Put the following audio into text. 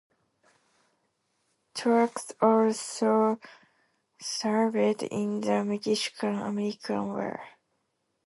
Truex also served in the Mexican–American War.